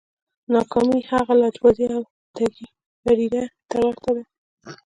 ناکامي هغې چلبازې او ټګې پديدې ته ورته ده.